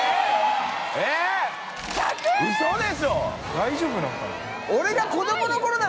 大丈夫なのかな？